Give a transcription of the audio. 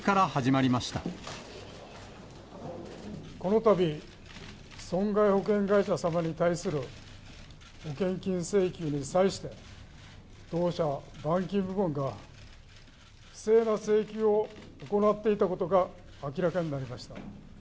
このたび、損害保険会社様に対する保険金請求に対して、当社板金部門が不正な請求を行っていたことが明らかになりました。